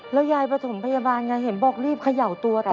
แล้วยายประถมพยาบาลไงเห็นบอกรีบเขย่าตัวต่อ